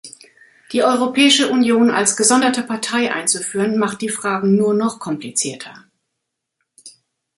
Die Europäische Union als gesonderte Partei einzuführen, macht die Fragen nur noch komplizierter.